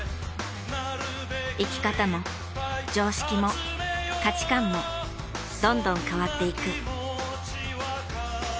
生き方も常識も価値観もどんどん変わっていく。